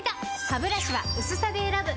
ハブラシは薄さで選ぶ！